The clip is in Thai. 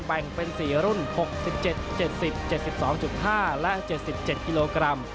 แบ่งเป็น๔รุ่น๖๗๗๐๗๒๕และ๗๗กิโลกรัม